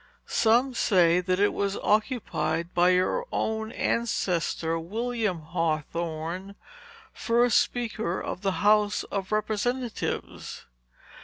Some say that it was occupied by your own ancestor, William Hawthorne, first Speaker of the House of Representatives.